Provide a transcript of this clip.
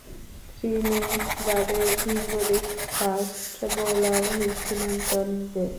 ত্রিনিদাদের দীর্ঘদেহী fast bowler ছিলেন Tony grey.